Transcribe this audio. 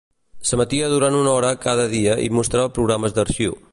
S'emetia durant una hora cada dia i mostrava programes d'arxiu.